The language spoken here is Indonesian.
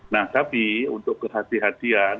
nah tapi untuk kehati hatian